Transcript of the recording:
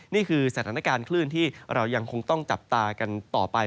นี่คือสถานการณ์คลื่นที่เรายังคงต้องจับตากันต่อไป